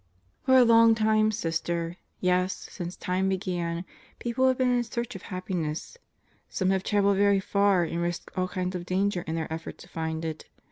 For a long time, Sister, yes, since Time began, people have been in search of happiness. Some have traveled very far and risked all kinds of danger in their efforts to find it.